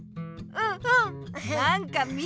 うんうん！